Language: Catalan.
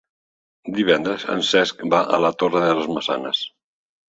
Divendres en Cesc va a la Torre de les Maçanes.